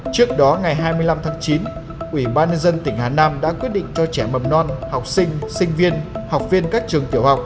trước đó ngày hai mươi năm tháng chín ủy ban nhân dân tỉnh hà nam đã quyết định cho trẻ mầm non học sinh sinh viên học viên các trường tiểu học